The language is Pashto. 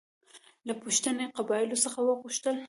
له پښتني قبایلو څخه وغوښتل.